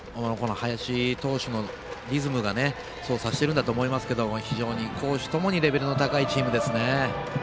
林投手のリズムがそうさせているんだと思いますけど非常に攻守ともにレベルの高いチームですね。